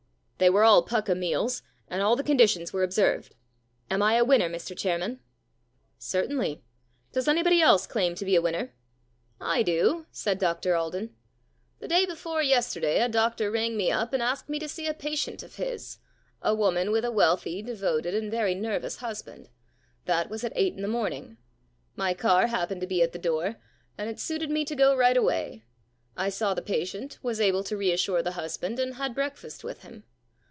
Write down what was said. * They were all pukka meals, and all the conditions were observed. Am I a winner, Mr Chairman ?'* Certainly. Does anybody else claim to be a winner ?'* I do,' said Dr Alden. * The day before yesterday a doctor rang me up and asked me to see a patient of his — a woman with a wealthy, devoted, and very nervous husband. That was at eight in the morning. My car happened to be at the door, and it suited me to go right away. I saw the patient, was able to reassure the husband, and had break fast with him.